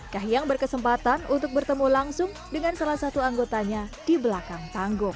kahiyang berkesempatan untuk bertemu langsung dengan salah satu anggotanya di belakang tanggung